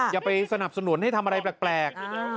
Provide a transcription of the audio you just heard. อย่าไปสนับสนุนให้ทำอะไรแปลก